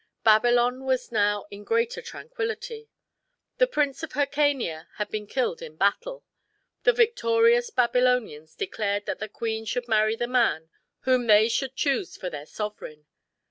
Babylon was now in greater tranquillity. The Prince of Hircania had been killed in battle. The victorious Babylonians declared that the queen should marry the man whom they should choose for their sovereign.